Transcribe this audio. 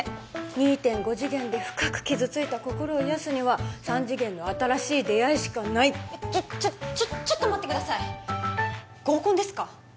２．５次元で深く傷ついた心を癒やすには３次元の新しい出会いしかないちょっちょっちょっと待ってください合コンですか？